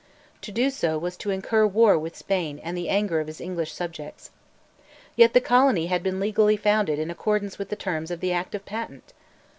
To do so was to incur war with Spain and the anger of his English subjects. Yet the colony had been legally founded in accordance with the terms of the Act of Patent.